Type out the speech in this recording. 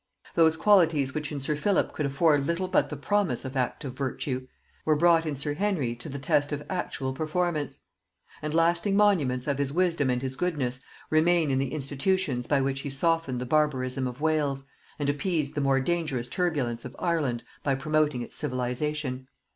Those qualities which in sir Philip could afford little but the promise of active virtue, were brought in sir Henry to the test of actual performance; and lasting monuments of his wisdom and his goodness remain in the institutions by which he softened the barbarism of Wales, and appeased the more dangerous turbulence of Ireland by promoting its civilization.